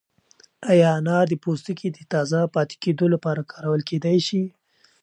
ایا انار د پوستکي د تازه پاتې کېدو لپاره کارول کیدای شي؟